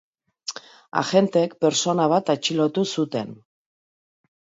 Agenteek pertsona bat atxilotu zuten.